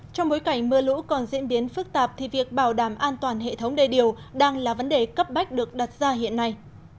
trong bối cảnh mưa lũ còn diễn biến phức tạp thì việc bảo đảm an toàn hệ thống đê điều đang là vấn đề cấp bách được đặt ra hiện nay